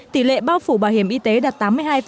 tỷ lệ bao phủ bảo hiểm y tế đạt tám mươi hai